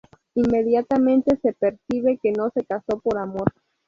Inmediatamente se percibe que no se casó por amor.